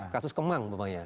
kasus kemang namanya